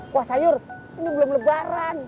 kuah sayur ini belum lebaran